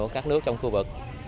các nước trong khu vực